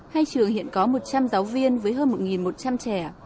hai trường hiện có một trăm linh giáo viên với hơn một một trăm linh trẻ